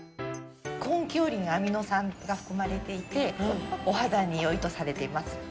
コンキオリンのアミノ酸が含まれていてお肌によいとされています。